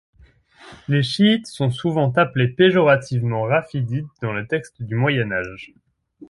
Les chiites sont souvent appelés péjorativement râfidhites dans les textes du Moyen Âge.